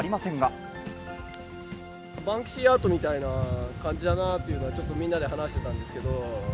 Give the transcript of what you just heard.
バンクシーアートみたいな感じだなっていうのは、ちょっとみんなで話してたんですけど。